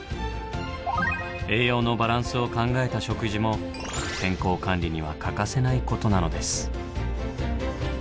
栄養のバランスを考えた食事も健康管理には欠かせないことなのです。